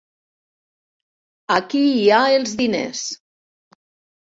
Aquí hi ha els diners.